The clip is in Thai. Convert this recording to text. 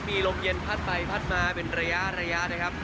มีลมเย็นพัดไปพัดมาเป็นระยะนะครับ